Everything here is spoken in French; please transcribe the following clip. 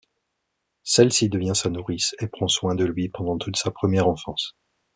Celle-ci devient sa nourrice, et prend soin de lui pendant toute sa première enfance.